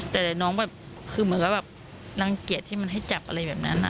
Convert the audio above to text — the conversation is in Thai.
แต่น้องแบบคือเหมือนกับแบบรังเกียจที่มันให้จับอะไรแบบนั้น